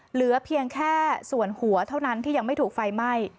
เหลือเพียงแค่ส่วนหัวเท่านั้นที่ยังไม่ถูกไฟไหม้